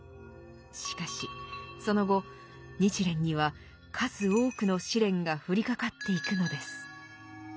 しかしその後日蓮には数多くの試練が降りかかっていくのです。